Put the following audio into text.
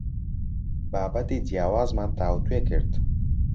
بابەتی جیاوازمان تاوتوێ کرد.